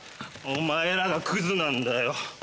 お前らがクズなんだよ